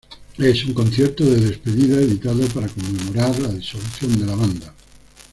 Es un concierto de despedida editado para conmemorar la disolución de la banda.